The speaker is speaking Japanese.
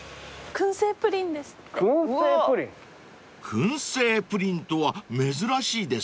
［燻製プリンとは珍しいですね］